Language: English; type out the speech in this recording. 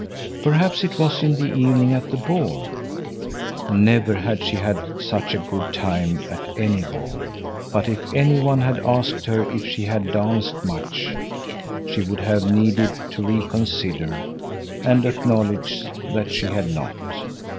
Perhaps it was in the evening at the ball. Never had she had such a good time at any ball! But if any one had asked her if she had danced much, she would have needed to reconsider and acknowledge that she had not.